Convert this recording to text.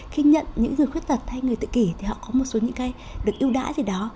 khi nhận những người khuyết tật hay người tự kỷ thì họ có một số những cái được ưu đãi gì đó